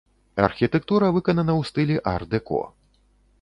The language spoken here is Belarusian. Архітэктура выканана ў стылі ар-дэко.